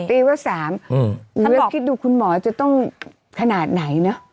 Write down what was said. ตีว่า๓หรือว่าคิดดูคุณหมอจะต้องขนาดไหนเนอะ